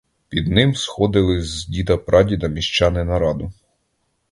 Під ним сходилися з діда-прадіда міщани на раду.